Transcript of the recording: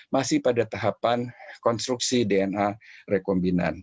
masih pada tahapan konstruksi dna rekombinan